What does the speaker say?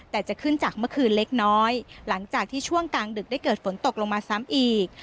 แต่จะขึ้นจากเมื่อคืนเล็กน้อยหลังจากที่ช่วงกลางดึกได้เกิดฝนตกลงมาซ้ำอีก